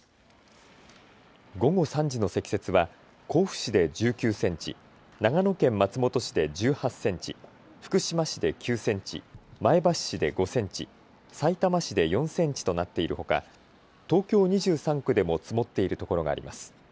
午後３時の積雪は甲府市で１９センチ、長野県松本市で１８センチ、福島市で９センチ、前橋市で５センチ、さいたま市で４センチとなっているほか、東京２３区でも積もっているところがあります。